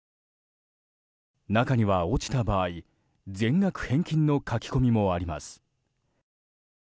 中には、落ちた場合全額返金の書き込みもあります。